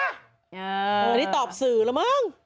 อันนี้ตอบสื่อนะมึง